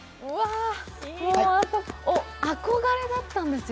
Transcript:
憧れだったんですよ。